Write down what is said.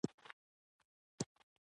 لعل د افغانستان د ځایي اقتصادونو بنسټ دی.